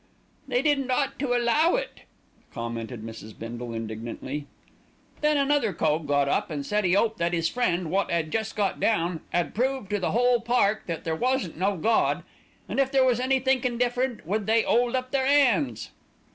"They didn't ought to allow it," commented Mrs. Bindle indignantly. "Then another cove got up and said 'e 'oped that 'is friend, wot 'ad just got down, 'ad proved to the whole Park that there wasn't no Gawd, and if there was any thinkin' different would they 'old up their 'ands."